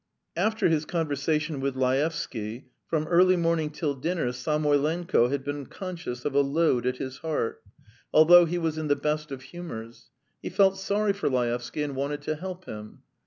After his conversation with Laevsky, from early morning till dinner Samoylenko had been conscious of a load at his heart, although he was in the best of humours; he felt sorry for Laevsky and wanted to help him.